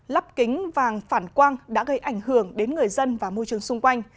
lắp kính vàng phản quang đã gây ảnh hưởng đến người dân và môi trường xung quanh